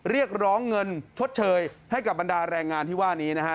เรียกร้องเงินชดเชยให้กับบรรดาแรงงานที่ว่านี้นะฮะ